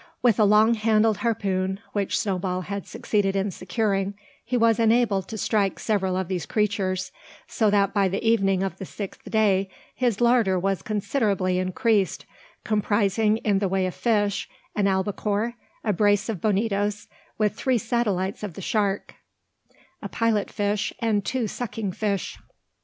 With a long handled harpoon, which Snowball had succeeded in securing, he was enabled to strike several of these creatures; so that by the evening of the sixth day, his larder was considerably increased, comprising, in the way of fish, an albacore, a brace of bonitos, with three satellites of the sharks, a pilot fish and two sucking fish.